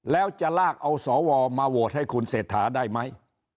แล้วจะลากเอาสวมาโหวตให้คุณเศรษฐาได้ไหม